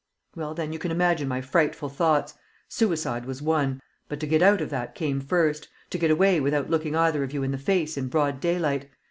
"Well, then, you can imagine my frightful thoughts. Suicide was one; but to get out of that came first, to get away without looking either of you in the face in broad daylight.